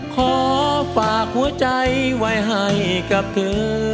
ขอฝากหัวใจไว้ให้กับเธอ